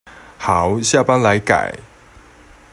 好，下班來改